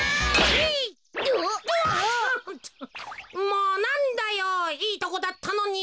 もうなんだよいいとこだったのに。